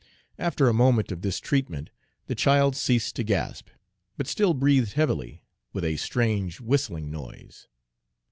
After a moment of this treatment, the child ceased to gasp, but still breathed heavily, with a strange, whistling noise.